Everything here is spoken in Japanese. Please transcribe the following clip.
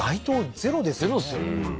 ゼロですよね